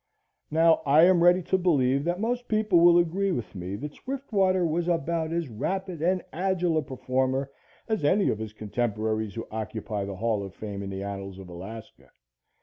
Now, I am ready to believe that most people will agree with me that Swiftwater was about as rapid and agile a performer as any of his contemporaries who occupy the hall of fame in the annals of Alaska.